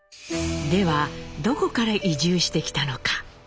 ではどこから移住してきたのか？